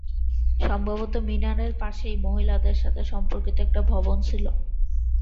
সম্ভবত মিনারের পাশেই মহিলাদের সাথে সম্পর্কিত একটি ভবন ছিল।